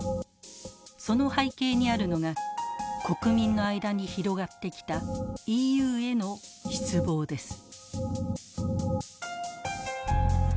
その背景にあるのが国民の間に広がってきたＥＵへの失望です。